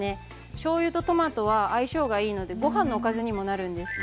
しょうゆとトマトは相性がいいのでごはんのおかずにもなるんです。